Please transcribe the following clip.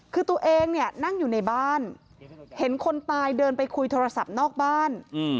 คือตัวเองเนี่ยนั่งอยู่ในบ้านเห็นคนตายเดินไปคุยโทรศัพท์นอกบ้าน